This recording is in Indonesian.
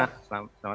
ada satu lagi